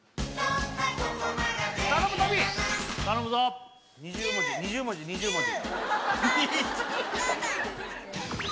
頼むトミー頼むぞ２０文字２０文字２０文字